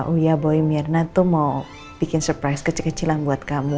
oh iya boy mirna tuh mau bikin surprise kecil kecilan buat kamu